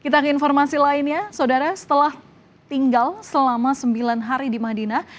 kita ke informasi lainnya saudara setelah tinggal selama sembilan hari di madinah